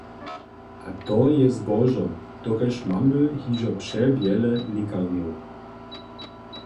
A to je zbožo, dokelž mamy hižo pře wjele lěkarjow.